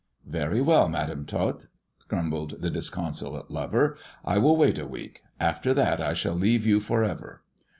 " Very well. Madam Tot," grumbled the disconsolate lover. "I will wait a week. After that I shall leave you for ever."